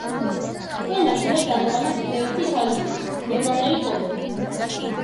წყვილმა შვილად აიყვანა კიდევ ერთი ქალიშვილი, გერმანელი გოგონა.